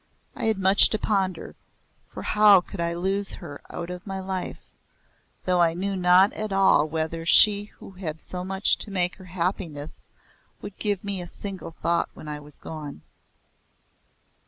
I had much to ponder, for how could I lose her out of my life though I knew not at all whether she who had so much to make her happiness would give me a single thought when I was gone.